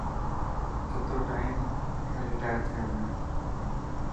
ڪتو ٽائم هي رٽائر ٿيڻ ۾.